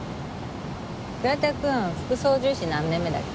倉田くん副操縦士何年目だっけ？